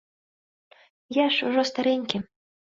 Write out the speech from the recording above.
Я ж ужо старэнькі.